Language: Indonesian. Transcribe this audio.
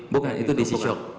bukan itu di c shock